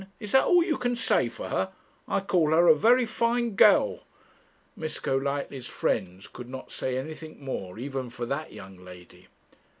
Is that all you can say for her? I call her a very fine girl.' Miss Golightly's friends could not say anything more, even for that young lady.